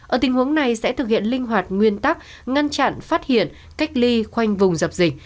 ở tình huống này sẽ thực hiện linh hoạt nguyên tắc ngăn chặn phát hiện cách ly khoanh vùng dập dịch